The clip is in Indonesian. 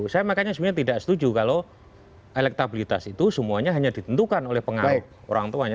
saya makanya sebenarnya tidak setuju kalau elektabilitas itu semuanya hanya ditentukan oleh pengaruh orang tuanya